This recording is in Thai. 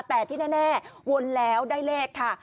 แต่ที่แน่วนแล้วได้เลขค่ะ